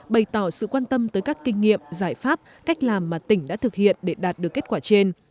bày tỏ sự quan tâm tới các kinh nghiệm giải pháp cách làm mà tỉnh đã thực hiện để đạt được kết quả trên